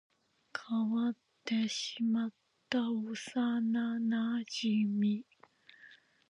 変わってしまった幼馴染